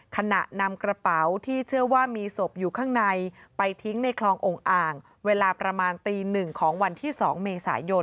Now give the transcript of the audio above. ขณะนำกระเป๋าที่เชื่อว่ามีศพอยู่ข้างในไปทิ้งในคลององค์อ่างเวลาประมาณตีหนึ่งของวันที่๒เมษายน